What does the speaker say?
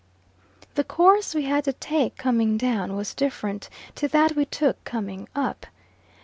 The course we had to take coming down was different to that we took coming up.